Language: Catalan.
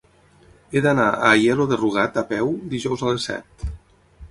He d'anar a Aielo de Rugat a peu dijous a les set.